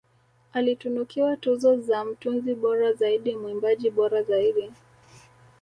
Alitunukiwa tuzo za Mtunzi bora zaidi mwimbaji bora zaidi